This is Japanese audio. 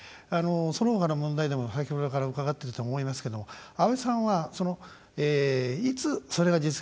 そのほかの問題でも先ほどから伺ってて思いますけど安倍さんはいつ、それが実現するかと。